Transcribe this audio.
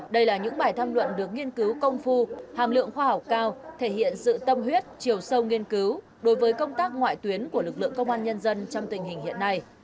đây là những bài tham luận được nghiên cứu công phu hàm lượng khoa học cao thể hiện sự tâm huyết chiều sâu nghiên cứu đối với công tác ngoại tuyến của lực lượng công an nhân dân trong tình hình hiện nay